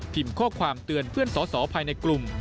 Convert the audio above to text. ข้อความเตือนเพื่อนสอสอภายในกลุ่ม